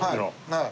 はい。